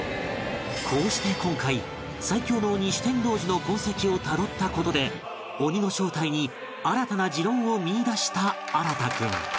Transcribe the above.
こうして今回最強の鬼酒呑童子の痕跡をたどった事で鬼の正体に新たな持論を見いだした創君